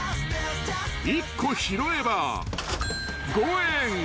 ［１個拾えば５円］